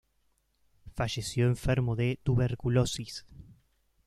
Falleció enfermo de tuberculosis.